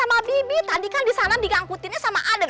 aden udah biarin saja sama bibi tadi kan disana digangkutinnya sama aden